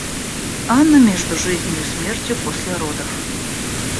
Анна между жизнью и смертью после родов.